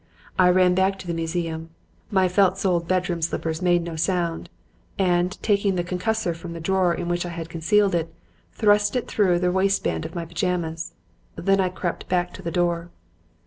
I ran back to the museum my felt soled bedroom slippers made no sound and, taking the 'concussor' from the drawer in which I had concealed it, thrust it through the waist band of my pajamas. Then I crept back to the door.